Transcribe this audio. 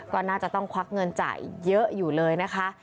ก็น่าจะต้องควักเงินจ่ายเยอะอยู่เลยนะคะ